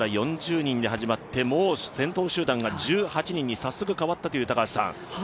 ４０人で始まってもう先頭集団が１８人に早速変わったという。